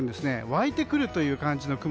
湧いてくるという感じの雲。